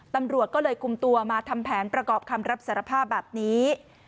ตำรวจก็เลยคุมตัวมาทำแผนประกอบคำรับสารภาพแบบนี้